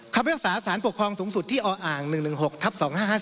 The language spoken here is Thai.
คำวิทยาศาสตร์สารปกครองสูงสุดที่ออ๑๑๖ทัพ๒๕๕๔